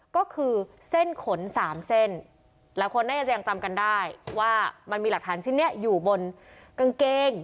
ก็คือเส้นขนสามเส้นหลายคนน่าจะยังจำกันได้ว่ามันมีหลักฐานชิ้นนี้อยู่บนกางเกง